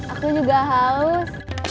aku juga haus